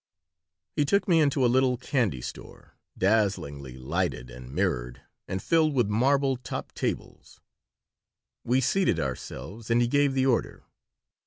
He took me into a little candy store, dazzlingly lighted and mirrored and filled with marble topped tables We seated ourselves and he gave the order.